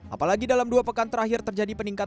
apalagi dalam dua pekan terakhir terjadi peningkatan